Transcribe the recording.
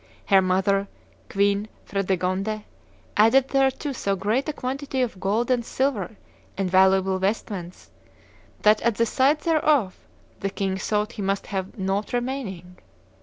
Her mother (Queen Fredegonde) added thereto so great a quantity of gold and silver and valuable vestments, that, at the sight thereof, the king thought he must have nought remaining.